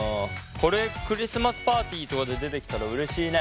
これクリスマスパーティーとかで出てきたらうれしいね。